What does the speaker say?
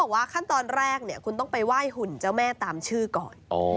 ว่าขั้นตอนแรกคุณต้องไปไหว้หุ่นเจ้าแม่ตามชื่อก่อน